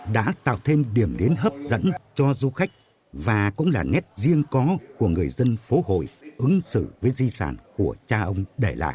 đã tạo thêm điểm đến hấp dẫn cho du khách và cũng là nét riêng có của người dân phố hội ứng xử với di sản của cha ông để lại